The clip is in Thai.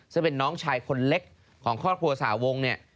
ซึ่งเป็นน้องชายคนเล็กของครอบครัวสาวงเนี่ย